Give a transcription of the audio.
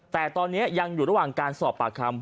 แต่ตอนนี้ยังอยู่ระหว่างการสอบปากคำ